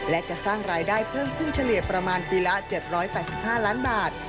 และจะสร้างรายได้เพิ่มขึ้นเฉลี่ยประมาณปีละ๗๘๕ล้านบาท